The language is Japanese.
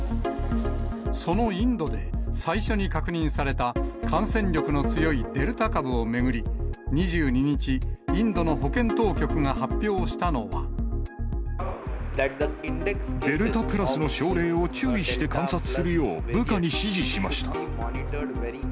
そのインドで最初に確認された感染力の強いデルタ株を巡り、２２日、デルタプラスの症例を注意して観察するよう、部下に指示しました。